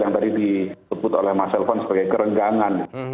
yang tadi disebut oleh mas elvan sebagai kerenggangan